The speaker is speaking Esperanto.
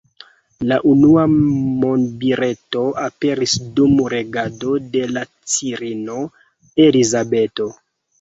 La unua monbileto aperis dum regado de la carino Elizabeto.